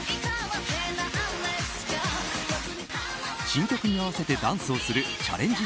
新曲に合わせてダンスするチャレンジ